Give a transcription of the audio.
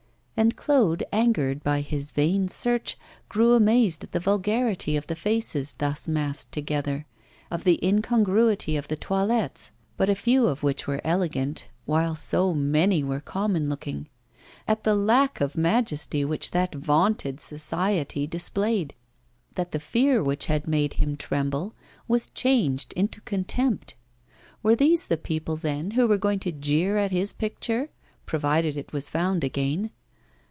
And Claude, angered by his vain search, grew amazed at the vulgarity of the faces thus massed together, at the incongruity of the toilets but a few of which were elegant, while so many were common looking at the lack of majesty which that vaunted 'society' displayed, to such a point, indeed, that the fear which had made him tremble was changed into contempt. Were these the people, then, who were going to jeer at his picture, provided it were found again?